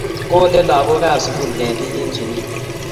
Kole lagook kab sugul ketik eng sugul